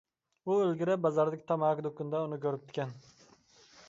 ئۇ ئىلگىرى بازاردىكى تاماكا دۇكىنىدا ئۇنى كۆرۈپتىكەن.